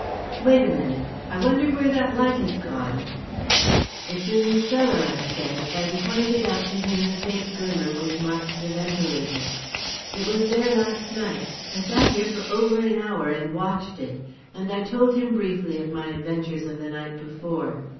"Wait a minute. I wonder where that light has gone?" "It's in the cellar," I said, and pointed out to him the faint glimmer which marked the ventilator. "It was there last night. I sat here for over an hour and watched it," and I told him briefly of my adventures of the night before.